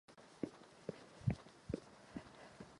Je zde jihlavská průmyslová zóna.